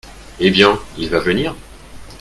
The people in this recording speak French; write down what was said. Eh bien, il va venir ?